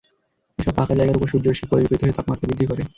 এসব পাকা জায়গার ওপর সূর্যরশ্মি পড়ে বিকরিত হয়ে তাপমাত্রা বৃদ্ধি করে।